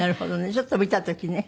ちょっと見た時ね。